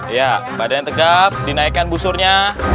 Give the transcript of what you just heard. ya badan tegap dinaikkan busurnya